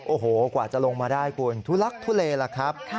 โอ้โหกว่าจะลงมาได้คุณทุลักทุเลล่ะครับ